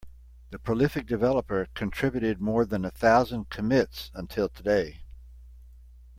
The prolific developer contributed more than a thousand commits until today.